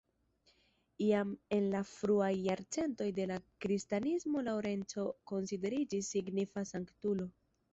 Jam en la fruaj jarcentoj de la kristanismo Laŭrenco konsideriĝis signifa sanktulo.